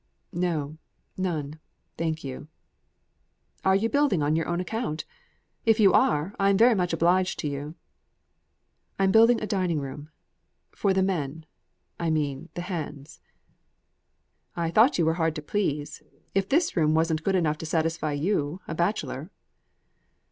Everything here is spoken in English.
"No, none, thank you." "Are you building on your own account? If you are, I'm very much obliged to you." "I'm building a dining room for the men I mean the hands." "I thought you were hard to please, if this room wasn't good enough to satisfy you, a bachelor."